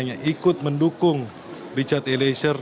yang ikut mendukung richard e leyser